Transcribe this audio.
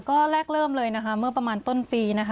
ก็แลกเริ่มเลยเมื่อประมาณต้นปี